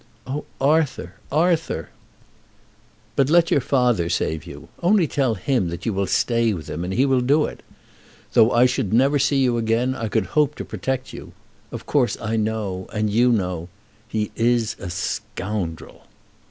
"Oh, Arthur, Arthur!" "But let your father save you. Only tell him that you will stay with him, and he will do it. Though I should never see you again, I could hope to protect you. Of course, I know, and you know. He is a scoundrel!"